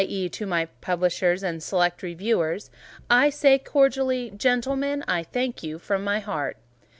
e._, to my Publishers and the select Reviewers, I say cordially, Gentlemen, I thank you from my heart.